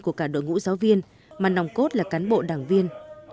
của cả đội ngũ giáo viên mà nòng cốt là cán bộ đảng viên